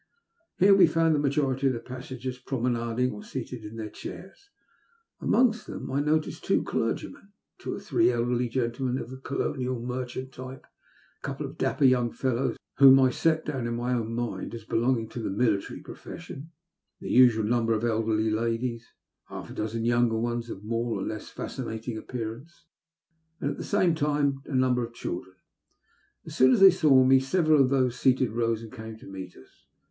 Here we found the majority of the passengers promenading, or seated in their chairs. Among them I noticed two clergymen, two or three elderly gentlemen of the colonial mer chant type, a couple of dapper young fellows whom I set down in my own mind as belonging to the military profession, the usual number of elderly ladies, half a dozen younger ones, of more or less fascinating ap pearances, and the same number of children. As soon as they saw me several of those seated rose and came to meet us.